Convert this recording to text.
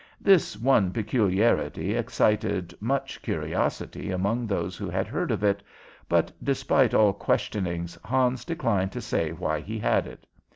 This one peculiarity excited much curiosity among those who had heard of it, but despite all questionings Hans declined to say why he had it.